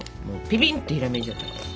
ピピンってひらめいちゃったから。